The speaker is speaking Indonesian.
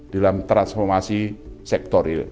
dalam transformasi sektor real